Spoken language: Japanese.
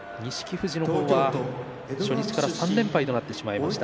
富士の方は初日から３連敗となってしまいました。